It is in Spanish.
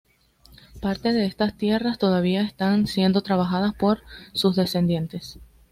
Parte de estas tierras todavía están siendo trabajadas por sus descendientes.